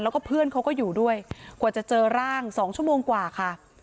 แล้วก็เพื่อนเขาก็อยู่ด้วยกว่าจะเจอร่าง๒ชั่วโมงกว่าค่ะ